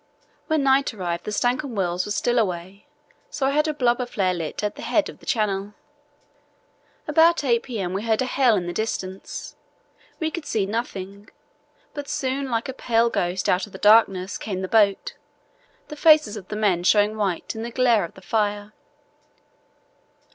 When night arrived the Stancomb Wills was still away, so I had a blubber flare lit at the head of the channel. About 8 p.m. we heard a hail in the distance. We could see nothing, but soon like a pale ghost out of the darkness came the boat, the faces of the men showing white in the glare of the fire.